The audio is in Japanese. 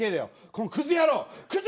このクズ野郎クズ